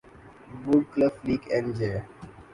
would cliff Lake اینجے